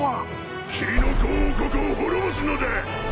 「キノコ王国を滅ぼすのだ！」